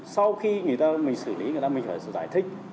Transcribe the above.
sau khi mình xử lý mình phải giải thích